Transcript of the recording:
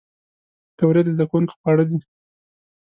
پکورې د زدهکوونکو خواړه دي